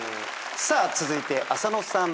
続いて浅野さん。